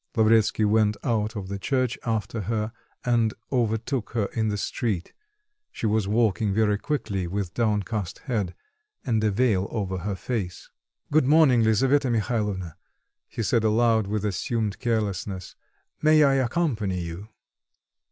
Lavretsky went out of the church after her and overtook her in the street; she was walking very quickly, with downcast head, and a veil over her face. "Good morning, Lisaveta Mihalovna," he said aloud with assumed carelessness: "may I accompany you?"